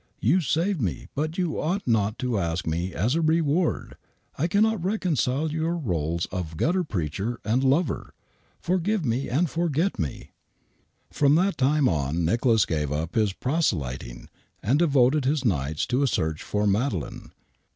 You saved me, but you ought not to ask me as a reward. I cannot reconcile your roles of gutter preacher and lover. Forgive me and forget me I" From that tinie on Nicholas gave up his proselyting and devoted his nights to a search for Madeleine.